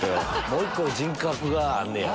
もう１個人格があるねや。